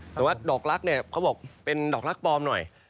แต่ว่าดอกลักษณ์เนี่ยเขาบอกเป็นดอกรักปลอมหน่อย